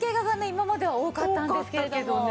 今までは多かったんですけれども。